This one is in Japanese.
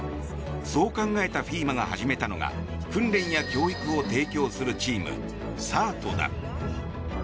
そう考えたＦＥＭＡが始めたのが訓練や教育を提供するチームＣＥＲＴだ。